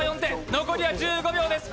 残りは１５秒です。